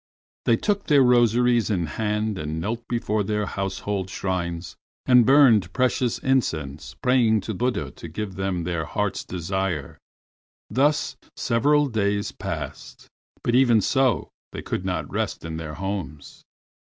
They took their rosaries in hand and knelt before their household shrines, and burned precious incense, praying to Buddha to give them their heart's desire. Thus several days passed, but even so they could not rest in their homes.